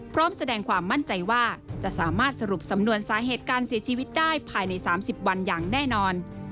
พร้อมแสดงความมั่นใจว่าจะสามารถสรุปสำนวนสาเหตุการเสียชีวิตได้ภายใน๓๐วันอย่างแน่นอน